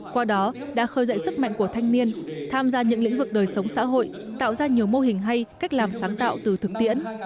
qua đó đã khơi dậy sức mạnh của thanh niên tham gia những lĩnh vực đời sống xã hội tạo ra nhiều mô hình hay cách làm sáng tạo từ thực tiễn